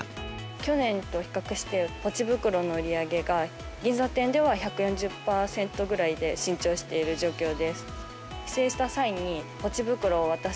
去年と比較して、ポチ袋の売り上げが、銀座店では１４０％ぐらいで伸長している状況です。